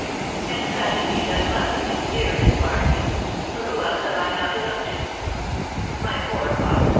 " And that indeed I must do, dearest Barnaby !... for who else have I now to look to ?... My poor father